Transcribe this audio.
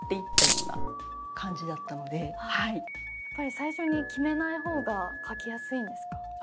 最初に決めない方が書きやすいんですか？